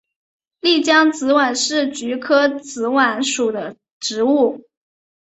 丽江紫菀是菊科紫菀属的植物。